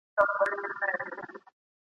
چي په افغانستان کي یې ږغول ناروا دي، ږغوي ..